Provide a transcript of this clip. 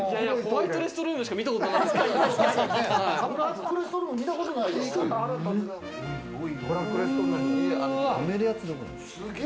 ホワイトレストルームしか見たことなくて。